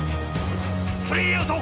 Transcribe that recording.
スリーアウト！